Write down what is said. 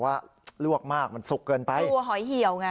แต่บางทีเขาก็บอกว่าลวกมากมันศุกร์เกินไปตัดคอยเหี่ยวไง